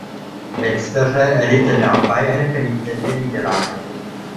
Letztere erlitten dabei eine vernichtende Niederlage.